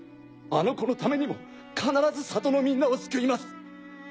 あの子のためにも必ず里のみんなを救います。